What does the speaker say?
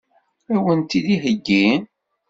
Ad wen-t-id-iheggi?